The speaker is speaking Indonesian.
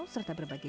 terus akhirnya ya